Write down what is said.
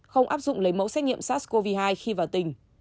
không áp dụng lấy mẫu xét nghiệm sars cov hai khi vào tỉnh